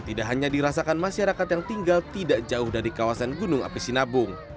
tidak hanya dirasakan masyarakat yang tinggal tidak jauh dari kawasan gunung api sinabung